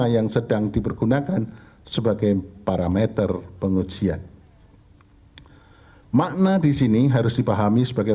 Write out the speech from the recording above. seribu sembilan ratus empat puluh lima yang sedang dipergunakan sebagai parameter pengujian makna disini harus dipahami sebagai